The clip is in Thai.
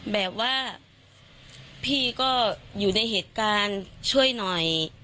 แบบว่าพี่ก็อยู่ในเหตุการณ์ช่วยหน่อย